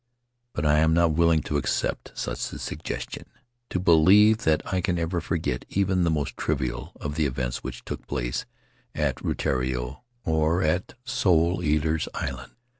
But I am not willing to accept such a suggestion, to believe that I can ever forget even the most trivial of the events which took place at Rutiaro or at Soul Eaters' Island.